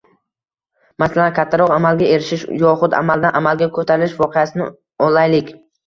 Masalan, kattaroq amalga erishish yoxud amaldan amalga ko’tarilish voqeasini olaylik.